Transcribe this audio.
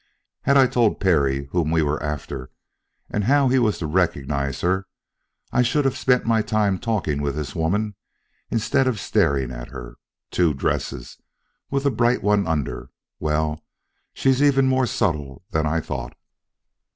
"Had I told Perry whom we were after and how he was to recognize her, I should have spent my time talking with this woman instead of staring at her. Two dresses! with the bright one under! Well, she's even more subtle than I thought."